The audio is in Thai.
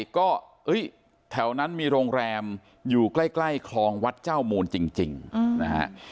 ก็เฮ้ยแถวนั้นมีโรงแรมอยู่ใกล้ใกล้คลองวัดเจ้าหมูลจริงจริงนะฮะ